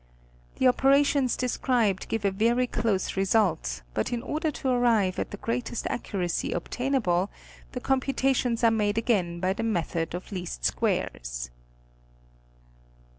The operations described give a very close result, but in order to arrive at the greatest accuracy obtainable the computations are made again by the method of least squares.